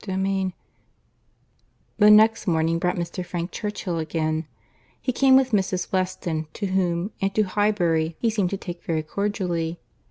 CHAPTER VI The next morning brought Mr. Frank Churchill again. He came with Mrs. Weston, to whom and to Highbury he seemed to take very cordially.